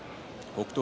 北勝